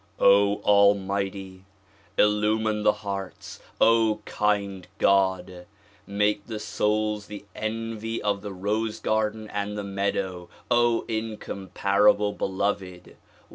Almighty! Illumine the hearts. kind God! Make the souls the envy of the rose garden and the meadow. O incomparable beloved